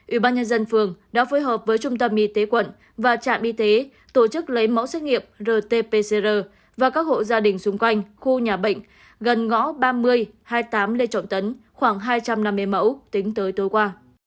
ủy ban nhân dân phường đã phối hợp với trung tâm y tế quận và trạm y tế tổ chức lấy mẫu xét nghiệm rt pcr và các hộ gia đình xung quanh khu nhà bệnh gần ngõ ba mươi hai mươi tám lê trọng tấn khoảng hai trăm năm mươi mẫu tính tới tối qua